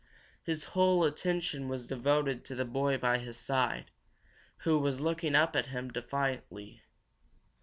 His whole attention was devoted to the boy by his side, who was looking up at him defiantly.